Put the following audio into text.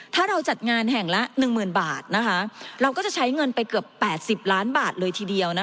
ถ้าเราจัดงานแห่งละ๑๐๐๐บาทเราก็จะใช้เงินไปเกือบ๘๐ล้านบาทเลยทีเดียว